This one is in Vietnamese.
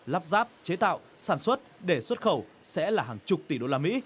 lắp ráp chế tạo sản xuất để xuất khẩu sẽ là hàng chục tỷ usd